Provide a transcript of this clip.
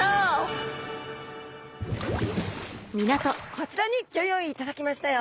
こちらにギョ用意いただきましたよ。